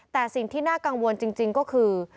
แต่สิ่งที่น่ากังวลจริงก็คือ